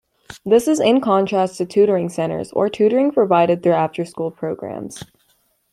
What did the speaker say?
This is in contrast to tutoring centers or tutoring provided through after-school programs.